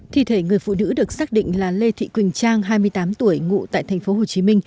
thi thể người phụ nữ được xác định là lê thị quỳnh trang hai mươi tám tuổi ngụ tại tp hcm